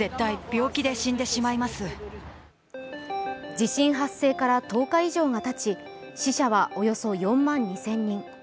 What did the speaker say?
地震発生から１０日以上がたち死者はおよそ４万２０００人。